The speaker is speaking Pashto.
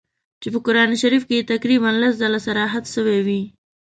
چي په قرآن شریف کي یې تقریباً لس ځله صراحت سوی وي.